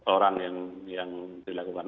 orang yang dilakukan